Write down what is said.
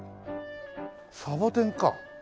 サボテンか。